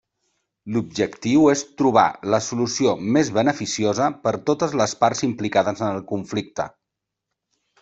L'objectiu és trobar la solució més beneficiosa per totes les parts implicades en el conflicte.